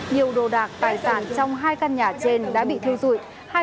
nhiều đồ đạc tài sản trong hai căn nhà trên đã bị thiêu dụi